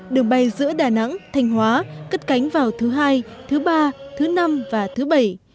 đường bay giữa đà nẵng thanh hóa cất cánh vào thứ hai thứ ba thứ năm và thứ bảy